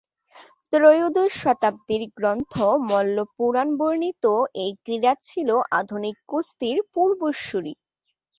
ত্রয়োদশ শতাব্দীর গ্রন্থ মল্ল পুরাণ বর্ণিত এই ক্রীড়া ছিল আধুনিক কুস্তির পূর্বসূরী।